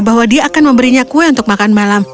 bahwa dia akan memberinya kue untuk makan malam